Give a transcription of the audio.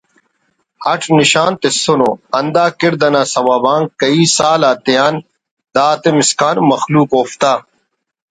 اٹ نشان تسونو اندا کڑد نا سوب آن کہی سال آتیان داتم اسکان مخلوق اوفتا